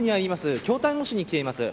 京丹後市に来ています。